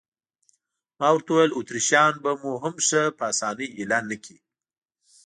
ما ورته وویل: اتریشیان به مو هم ښه په اسانۍ اېله نه کړي.